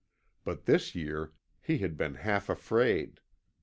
But this year he had been half afraid.